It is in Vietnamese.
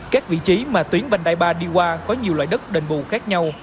các vị trí mà tuyến vành đại ba đi qua có nhiều loại đất đình bù khác nhau